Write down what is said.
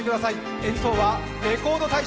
演奏はレコード大賞